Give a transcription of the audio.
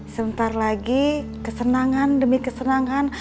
sebentar lagi kesenangan demi kesenangan